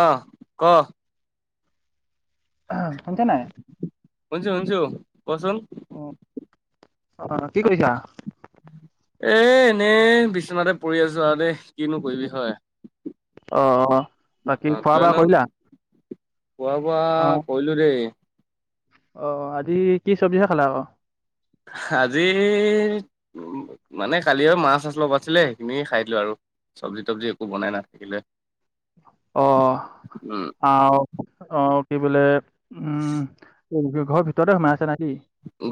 অ ক। অ ম শুনিছা নাই? শুনিছো শুনিছো কচোন। অ অহ কি কৰিছা? এ এনেই বিচনাতে পৰি আছো আৰু দেই কিনো কৰিবি হয়। অ অ বাকী অ খোৱা বোৱা তইনো কৰিলা? খোৱা বোৱা অ' কৰিলো দেই। অ আজি কি চবজিহে খালা ক। আজি উ মানে কালি মাছ অলপ আছিলে সেইখিনি খাই দিলো আৰু চবজি তবজি একো বনাই নাথাকিলোৱে অ আহ আহ কি বোলে উম ঘৰ ভিতৰতে সোমাই আছ না কি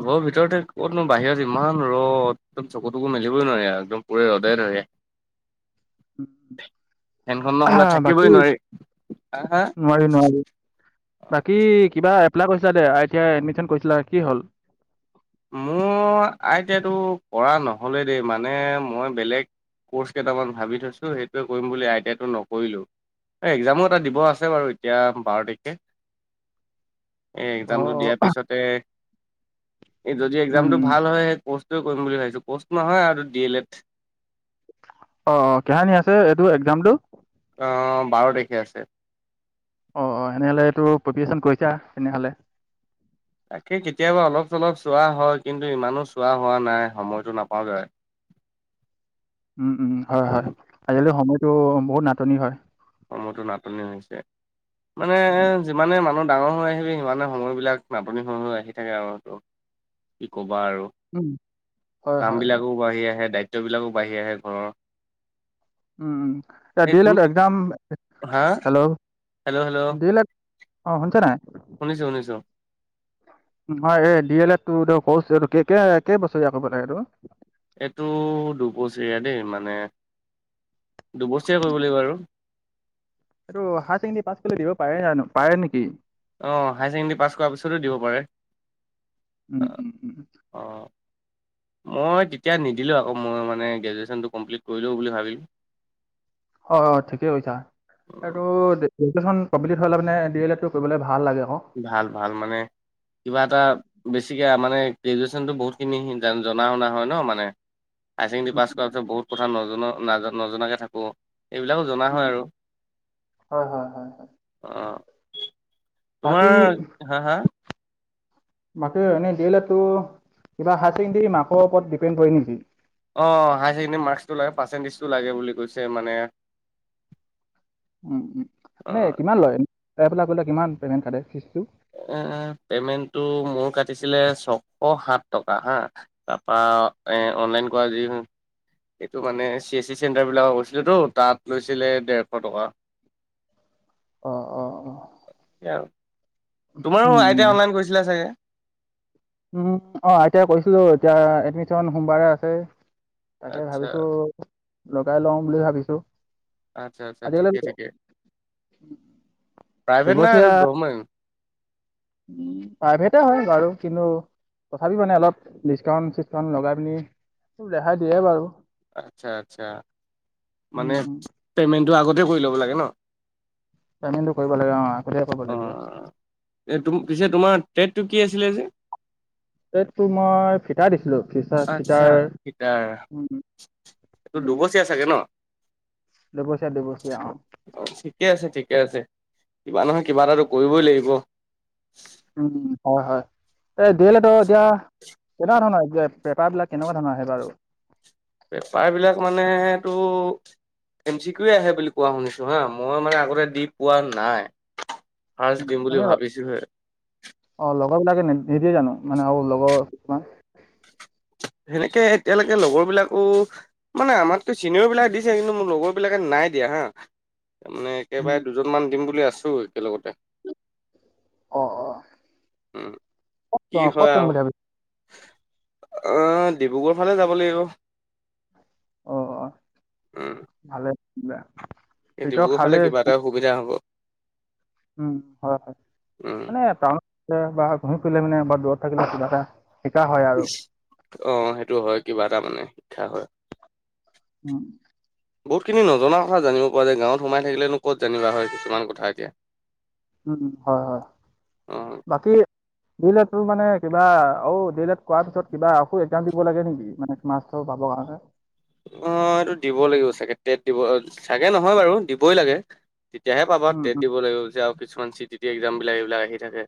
ঘৰৰ ভিতৰতে ক'তনো বাহিৰত ইমান ৰ'দ একদম চকু তকু মেলিবই নোৱাৰি আৰু একদম পুৰে ৰ'দত ৰদে ধৰে উম ফেনখন নহলে থাকিবই নোৱাৰি হা হা নোৱাৰি নোৱাৰি বাকী কিবা এপ্লাই কৰিছিলা যে আইতিয়াই এডমিচন কৰিছিলা কি হ'ল মোৰ আইতিয়াতো কৰা নহলে দেই মানে মই বেলেগ কৰ্চ কেইটামান ভাবি থৈছো সেইটোৱে কৰিম বুলি আইতিয়াটো নকৰিলো একজামো এটা দিব আছে বাৰু এতিয়া বা'ৰ তাৰিখে [unintelligible] এ একজামটো অ' অ দিয়াৰ পিছতে এ যদি উম একজামটো উম, ভাল হয় কউষ্ট কৰিম বুলি ভাবিছো কউ'ষ্ট নহয় আৰু ডি এল এড অ অ কেহানী আছে এইটো একজামটো অ বা'ৰ তাৰিখে আছে অ অ তেনেহ'লে এইটো প্ৰিপিয়েচন কৰিছা তেনেহ'লে তাকেই কেতিয়াবা অলপ চলপ চোৱা হয় কিন্তু ইমানো চোৱা হোৱা নাই সময়তটো নাপাওঁ যে উম উম হয় হয় উম, আজিকালি সময়টো বহুত নাটনি হয় সময়তো নাটনি হৈছে মানে উম যিমানে মানুহ ডাঙৰ হৈ আহিবি সিমানে সময়বিলাক নাটনি হৈ হৈ আহি থাকে আৰু সেইটো কি কম বাৰু, উম। হয় কাম হয় হয় বিলাকো বাঢ়ি আহে দায়ি ত্ব বিলাকো বাঢ়ি আহে ঘৰৰ। উম, ৰাতি এই দেৰি তুম হ'ল কালি? তম। হা hello! Hello hello D El Ed, অ, শুনিছা নাই? শুনিছো শুনিছো হ'য়, এই ডি এল এট টো ত' ৰ্কছ কে কেই বছৰীয়া হব নাএইটো? এইটো দুবছৰীয়া দেই মানে দুবছৰীয়া কৰিব লাগিব আৰু? এইটো হাই ছেকেণ্ডী পাছ কৰিলে দিব পাৰে জানো, পাৰে নেকি? অঁ, হাই ছেকেণ্ডী পাছ কৰা পিছটো দিব পাৰে। উম উম উম। অ মই তেতিয়া নিদিলোঁ আক' মই মানে, গ্ৰেজুৱেশ্যনটো কমপ্লিট কৰিলও বুলি ভাৱিলোঁ। অঁ, অঁ ঠিকেই কৈছা। এইটো গেজুৱেশ্যন কমপ্লিট হ'লে মানে ডি এল এটটো কৰিবলে ভা ভাল, ভাল মানে, কিবা এটা বেছিকে মানে গ্ৰেজুৱেশ্যনটো বহুতখিনি জান জনা শুনা হ'য় ন' মানে। হাই ছেকেণ্ডী উম, পাছ কৰাৰ পিছত বহুত কথা নজ্‌ জনা, নাজ- নজনাকে থাকো। এইবিলাকো জনা হ'য় উম। আৰু। হয় হয় হয় হয় অঁ তোমাৰ হাঁ, হাঁ বাকি এনেই ডি এল এটটো কিবা হাই ছেকেণ্ডী মাৰ্ক ওপৰত ডিপেণ্ড কৰে নেকি? অঁ হায়াৰ ছেকেণ্ডেৰী মাৰ্কচটো লাগে। পাৰ্চেণ্টেজটো লাগে বুলি কৈছে। মানে উম উম অ এনে কিমান ল'য়? ৰেগুলাৰ কৰিলে কিমান পেমেণ্ট কাটে ফিছটো? এ এ পেমেন্টটো মোৰ কাটিছিলে ছশ সাত টকা। হাঁ, তাপা অঁ এ অনলাইন কৰা যিম এইটো মানে, চি এছ চি চেণ্টাৰ বিলাকত গৈছিলেটো, তাত লৈছিলে ডেৰশ টকা। [unintelligible] অ অ তেওঁ, উম তোমাৰো I um T I online কৰিছিলা চাগে? উম, অঁ, আই টি আই কৰিছিলোঁ। এতিয়া এডমিশ্যন সোমবাৰে আছে। তাকে আচ্ছা ভাৱিছোঁ, লগাই লওঁ বুলি ভাৱিছোঁ। আচ্ছা, আচ্ছা ঠিকে, ঠিকে। প্ৰাইভেট না গভমেণ্ট? ওঁ, প্ৰাইভেটেই হ'য় বাৰু কিন্তু তথাপি মানে, অলপ ডিচ্‌কাউণ্ট -চিচ্‌কাউণ্ট লগাইপিনি ৰেহাই দিয়ে বাৰু। আচ্ছা, আচ্ছা মানে, উম, উম, পেমেণ্টটো আগতে কৰি ল'ব লাগে ন'? পে'মেণ্টটো কৰিব লাগে অ' আগতীয়াকৈ কৰিব লাগিব। অঁ, এই তুম পিছে তোমাৰ ট্ৰেডটো কি আছিলে যে? ট্ৰেডটো মই ফিটাই দিছ্‌ ছিলোঁ ফিচা আচ্ছা ফিটাৰ। গিটাৰ অঁ, অঁ, এইটো উম। দুবছৰীয়া চাগে ন দুবছৰীয়া দুবছৰীয়া অঁ। ঠিকে আছে, ঠিকে আছে কিবা নহয়, কিবা এটাটো কৰিবই লাগিব। উম, হ'য় হ'য়। এ ডি এল এটৰ এতিয়া কেনেকুৱা ধৰণৰ আহিছিলে? পেপাৰ বিলাক, কেনেকুৱা ধৰণৰ আহে বাৰু? পেপাৰ বিলাক মানেটো এম চি কিউৱে আহে বুলি কোৱা শুনিছোঁ হাঁ। মই মানে, আগতে দি পোৱা নাই। ৰ্ফাষ্ট দিম মানে বুলি ভাৱিছোঁহে। [unintelligible] নিদিয়ে জানো? মানে, আৰু লগৰ কিছুমান। সেনেকে এতিয়ালৈকে লগৰ বিলাকো মানে, আমাতকেও চিনিয়ৰ বিলাক দিছে। কিন্তু মোৰ লগৰ বিলাকে নাই দিয়া হাঁ। তাৰমানে উম, একেবাৰে দুজনমান দিম বুলি আছো একেলগতে। অঁ, অঁ উম ক'ত কি অ ক'ত কৰিম বুলি ভাৱিছা? অঁ ডিব্ৰুগড় ফালে যাব লাগিব। অঁ, অঁ, উম ভালে আছে দিয়া। এই ডিব্ৰুগড় ফালে কিবা এটা সুবিধা হ'ব। উম হয় হয় উম মানে টাউনত বা ঘুৰি ফুৰিলে মানে বা দূৰত থাকিলে কিবা এটা শিকা হয় আৰু অ সেইটো হয় কিবা এটা মানে শিক্ষা হয় উম বহুতখিনি নজনা কথা জানিব পৰা যায় গাঁৱত সোমাই থাকিলেনো ক'ত জানিবা হয় কিছুমান কথা এতিয়া উম হয় হয় অ বাকী। ডি এল এড টোৰ মানে কিবা অঔ ডি এল এড কোৱাৰ পিছত কিবা আ কিবা দিব লাগে নেকি মানে মাষ্টৰ পাবৰ কাৰণে অ এইটো দিব লাগিব চাগে তেট দিব চাগে নহয় বাৰু দিবই লাগে তেতিয়াহে পাব উম টেট উম দিব লাগিব যে আৰু কিছুমান চি টি টি এক্সাম বিলাক এইবিলাক আহি থাকে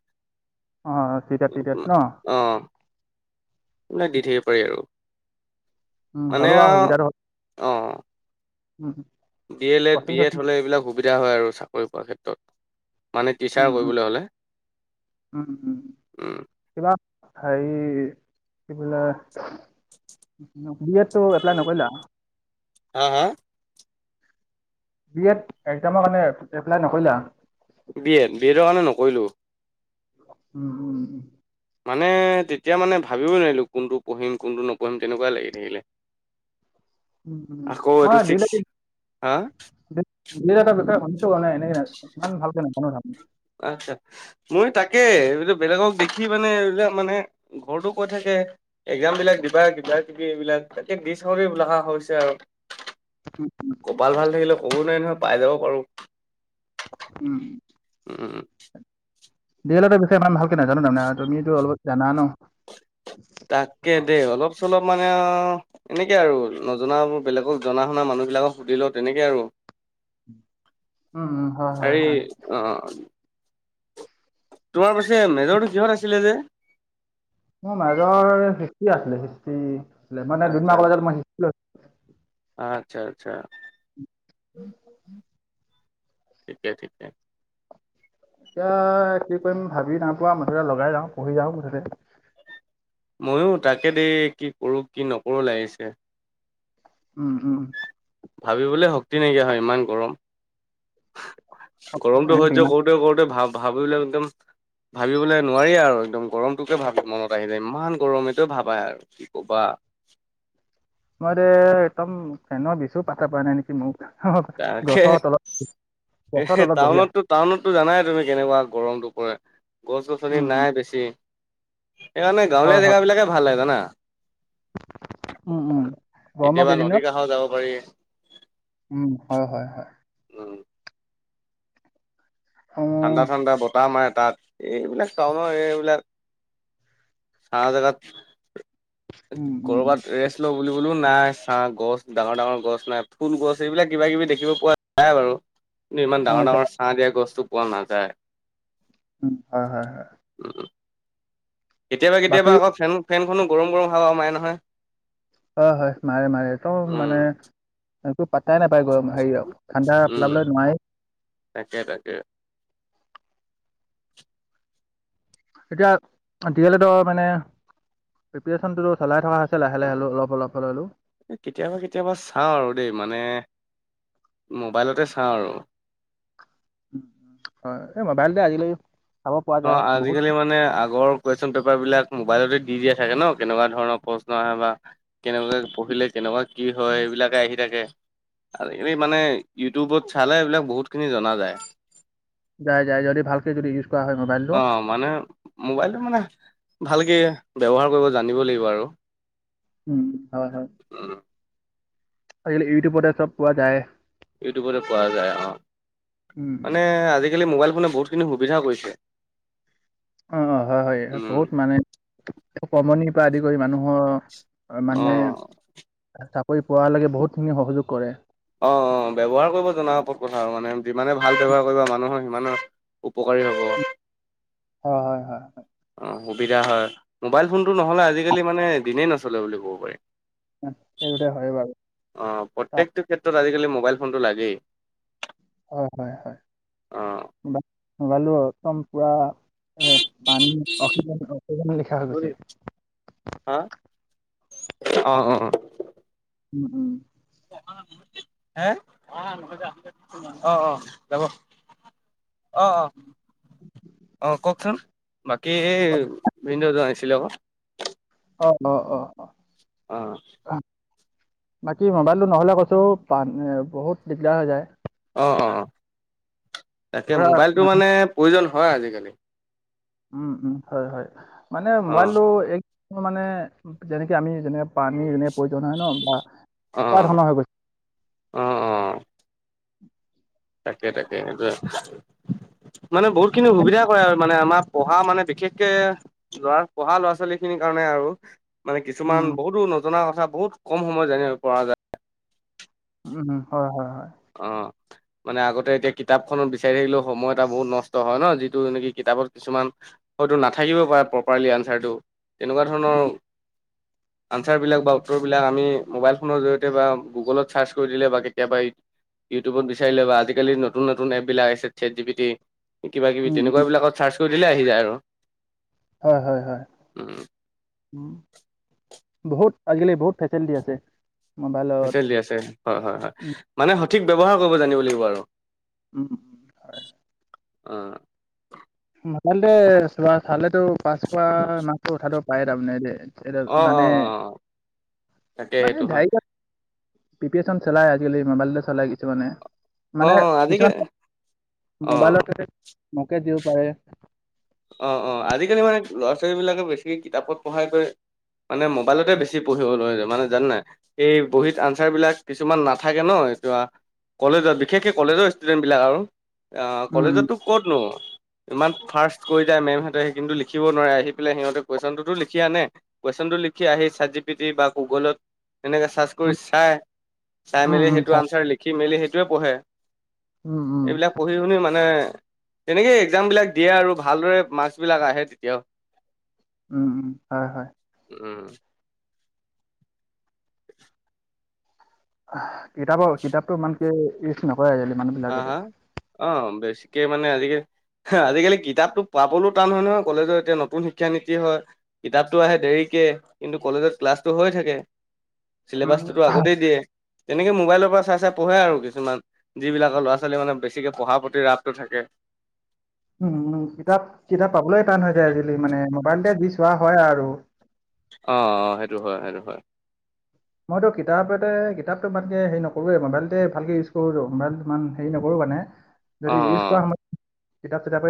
অ চি টেট টি টেট ন অ আপোনাক দি থাকিব পাৰি আৰু উম হলো সা সুবিধা আহ উম B El Ed coaching B Ed coaching হ'লে এইবিলাক সুবিধা হয় আৰু চাকৰি পোৱাৰ ক্ষেত্ৰত মানে টিচাৰ উম উম কৰিবলৈ হ'লে উ হে কি বোলে বি এডটো এপ্লাই নকৰিলা হা হা বি এড একজামৰ কাৰণে এপ্লাই নকৰিলা বি এড বি এডৰ কাৰণে নকৰিলো উম উম মানে ত এতিয়া মানে ভাবিবই নোৱাৰিলোঁ কোনটো পঢ়িম কোনটো নপঢিম তেনেকুৱাই লাগি থাকিলে। উম উম আকৌ এইটো মই দি এল ছিক্স হা এড নাই এনে ইমান ভালকে নাজানো তাৰ মানে। আচছা মই তাকে এই বেলেগক দেখি মানে এইবিলাক মানে ঘৰতো কৈ থাকে এক্সাম বিলাক দিবা কিবা কিবি এইবিলাক তাকে দি চাও দে বুলাখা হৈছে আৰু। কপাল ভাল থাকিলে কব নোৱাৰি নহয় পাই যাব পাৰো। উম। উম। দি এল এডৰ বিষয়ে ভালকে নাজানো তাৰমানে তুমিতো অলপ জানা ন। তাকে দেই অলপ চলপ মানে অ এনেকে আৰু নজনাবোৰ বেলেগক জনা শুনা মানুহ বিলাকক সুধি ল তেনেকে আৰু উম হয় হয় হেৰি হয় অ তোমাৰ পাছে মেজৰটো কিহত আছিলে যে মোৰ মাজৰ সিষ্টি আছিলে হিষ্ট্ৰী মানে আচ্ছা ডুমডুমা কলেজ ত মই হিষ্ট্ৰী ল আচ্ছা আচ্ছা ঠিকে ঠিকে এতিয়া কি কৰিম ভাবি নাপোৱা মুঠতে লগাই যাওঁ পঢ়ি যাওঁ মুঠতে ময়ো তাকে দেই কি কৰো কি নকৰো লাগিছে উম উম উ ভাবিবলৈ শক্তি নাইকিয়া হয় ইমান গৰম গৰমটো এনে দিম সহ্য আৰু। কৰোতে কৰতে ভাব ভাবিলে একদম ভাবিবলৈ নোৱাৰি আৰু একদম গৰমটোকে ভাবি মনত আহিলে ইমান গৰমটে ভাবাই আৰু কি ক'বা মই দে একদম ফেন বিছো পাতা পা নাই নেকি মোক তাকে গছৰ তলত এ গছৰ তলত বহি আছোঁ। টাউনতো টাউনতটো জানাই তুমি কেনেকুৱা গৰমটো পৰে গছ উম, গছনি উম, নাই বেছি সেইকাৰণে হয়, গাঁৱলীয়া হয়, জেগা বিলাকে ভাল লাগে জানা। উম উম গৰমৰ কেতিয়াবা নদীৰ কেইদিনত কাষত যাব পাৰি উম হয় হয় হয় উম অ', ঠাণ্ডা ঠাণ্ডা বতা মাৰে তাত এইবিলাক টাউনৰ এইবিলাক ছাহ জেগাত উম, উম, কৰ'বাত ৰেষ্ট ল বুলি ফুলো নাই চাহ গছ ডাঙৰ ডাঙৰ গছ নাই ফুল গছ এইবিলাক কিবা কিবি দেখিব পোৱা যায় বাৰু কিন্তু ইমান অ', ডাঙৰ ডাঙৰ যা- ছাহ দিয়া গছতটো পোৱা নাযায়। উ হয় হয় হয় উম, কেতিয়াবা বাকী কেতিয়াবা আকৌ ফেন ফেনখনো গৰম গৰম হাৱা মাৰে নহয়। হয় হয় মাৰে মাৰে একদম উম, মানে পাতাই নাপায় গৰম শাৰিৰীক ঠাণ্ডা উম, পেলাবলৈ নোৱাৰি তাকে তাকে এতিয়া দি এল এডৰ মানে প্ৰিপে্চনতো চলাই থকা হৈছে লাহে লাহে অলপ অলপ হলে হ'লেও কেতিয়াবা কেতিয়াবা চাওঁ আৰু দেই মানে মোবাইলতে চাওঁ আৰু উ উ হয় মোবাইলতে আজিকালি চাব পৰা অ যায় বহুত আজিকালি মানে আগৰ কুৱেশ্বন পেপাৰ বিলাক মোবাইলতে দি দিয়া থাকে ন কেনেকুৱা ধৰণৰ প্ৰশ্ন আহে বা কেনেকুৱাকে পঢ়ি কৰিলে কেনেকুৱা কি হয় এইবিলাকে আহি থাকে। আৰু এই মানে ইউটিউবত চালে এইবিলাক বহুতখিনি জনা যায়। যায় যায় যদি ভালকে যদি উছ অ মানে মোবাইলটো মানে ভালকে ব্যৱহাৰ কৰিব জানিব লাগিব আৰু উম হয় হয় উম, আজিকালি ইউটিউবতে চব পোৱা যায়। ইউটিউবতে পোৱা যায় অ উম, মানে আজিকালি মোবাইল মানে বহুতখিনি সুবিধা কৰিছে অ অ হয় হয় উম, বহুত মানে কমনিৰ পৰা আদি কৰি মানুহৰ মানে অ', চাকৰি পোৱালেকে বহুত খিনি সহযোগ কৰে। অ অ ব্যৱহাৰ কৰিব জানা ওপত কথা আৰু মানে যিমানে ভাল ব্যৱহাৰ কৰিব মানুহৰ সিমানে উপকাৰী হ'ব হয় হয় হয় হয় অ', সুবিধা হয় মোবাইল ফোনটো নহ'লে আজিকালি মানে দিনেই নচলে বুলি ক'ব পাৰি। সেই দুটাই হয় বাৰু। অ প্ৰত্যেকটো ক্ষেত্ৰত আজিকালি মোবাইল ফোনটো লাগেই। হয় হয় হয় অ'। মোবাইলটো একদম পুৰা। এ পানী অক্সিজন অক্সিজেন লিখা হৈ গৈছে। হা অ অ উম উম হে অ অঁ যাব অ অ অ কওকচোন বাকী ভিনদৌ জন আহিছিলে ক অ অ অ অ। অ বাকী মোবাইলটো নহ'লে কৈছো পান বহুত দিগদাৰ হৈ যায়। অ অঁ তাকে মোবাইলটো মানে প্ৰয়োজন হয় আজিকালি। উম উম হয় হয় মানে অ', মোবাইলটো এক পকাৰ মানে যেনেকে আমি যেনে। পানীৰ এনে প্ৰয়োজন হয় ন বা এনেকুৱা অ', ধৰণৰ হৈ গৈছে। অ', অ'। তাকে তাকে সেইটো মানে বহুত খিনি গৈছে। সুবিধা কৰে আৰু মানে আমাৰ পঢ়া মানে বিশেষকে লৰা পঢ়া ল'ৰা ছোৱালী খিনিৰ কাৰণে আৰু। মানে কিছুমান উম বহুতো নজনা কথা বহুত কম সময় জানিব পৰা যায়। উম হম হয় হয় হয়। অ। মানে আগতে এতিয়া কিতাপখনত বিচাৰি থাকিলেও সময় এটা বহুত নষ্ট হয় ন যিটো নেকি কিতাপত কিছুমান হয়তো নাথাকিব পাৰে প্ৰপাৰলি আনচাৰটো, তেনেকুৱা ধৰণৰ [inaudible] আনচাৰবিলাক বা উত্তৰবিলাক আমি মোবাইল ফোনৰ জৰিয়তে বা গুগলত ছাৰ্চ কৰি দিলে, বা কেতিয়াবা ইউটিউবত বিচাৰিলে বা আজিকালি নতুন নতুন এপ বিলাক আহিছে, ছেট জি পি টি কিবা কিবি উম, উম, তেনেকুৱা বিলাকত চাৰ্চ কৰি দিলে আহি যায় আৰু। হয় হয় হয় উম, উম বহুত আজি কালি বহুত ফেচেলেটি আছে। মোবাইলত। ফেচেলেটি আছে হয় হয় হয়। উম, মানে সঠিক ব্যৱহাৰ কৰিব জানিব লাগিব আৰু। উম উম হয়। অ ভাল দে চোৱা চালেটো পাচ কৰা মাৰ্কটো উঠাই দিব পায়ে তামানে দেই। এতিয়া অ', মানে অ', অ', তাকে মানে সেইটো হয়। ঢাই পিপি এচন চলায় আজিকালি মোবাইলতে চলায় কিছুমানে। অ', মানে অ', কিছুমান আজিকালি মোবাইলত অ', মোকে দিওঁ অ অ আজিকালি মানে ল'ৰা ছোৱালীবিলাকে বেছিকে কিতাপত পঢ়াই কৈ মানে মোবাইলতে বেছি পঢ়িব লয় মানে জানে নাই? এই বহীত আনচাৰ বিলাক কিছুমান নাথাকে নহ। এ কলেজত বিশেষকে কলেজৰ ষ্টুডেন্ট বিলাক আৰু। অ উম, উম, কলেজতো ক'তনো ইমান ফাৰ্ষ্ট কৈ যাই মেম হতে সেইখিনিতো লিখিব নোৱাৰে, আহি পেলাই সিহঁতে কুৱেশনতো লিখি আনে কোৱেচনটো লিখি আহি ছেট জি বা গুগলত এনেকে চাৰ্চ কৰি উম, চাই, চাই উম, মেলি উম, সেইটো চা আনচাৰ লিখি মেলি সেইটোৱে পঢ়ে। উম, উম। এইবিলাক পঢ়ি শুনি মানে তেনেকে একজাম বিলাক দিয়ে আৰু। ভালদৰে মাৰ্ক্স বিলাক আহে তেতিয়াও। উম উম হয় হয়। উম। কিতাপৰ কিতাপটো ইমানকে ইউজ নকৰে আজি কালি মানুহ বিলাকে কে মানে আজিকে আজিকালি কিতাপটো পাবলো টান হয় নহয়। কলেজৰ এতিয়া নতুন শিক্ষা নীতি হয় কিতাপতটো আহে দেৰিক কে কিন্তু কলেজত ক্লাছটো হৈ থাকে। চিলেবাচটোতো উম, আগতেই দিয়ে, তেনেকে মোবাইলৰ পৰা চাই চাই পঢ়ে আৰু কিছুমান। যিবিলাকৰ ল'ৰা ছোৱালী মানে বেছিকে পঢ়াৰ প্ৰতি ৰাপটো থাকে। উম উম কিতাপ কিতাপ পাবলৈ টান হৈ যায় আজি কালি, মানে মোবাইলতে যি চোৱা হয় আৰু। অ অ সেইটো হয় সেইটো হয়। মইতো কিতাপ এতে কিতাপটো ভালকে হেৰি নকৰোৱে মোবাইলতে ভালকে ইউজ কৰো মোবাইল ইমান হেৰি নকৰো। মানে যদি অ ইউজ অ কৰা সময়ত কিতাপ চিতাপে